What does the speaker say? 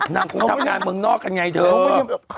นางคงทำงานเมืองนอกกันไงเธอ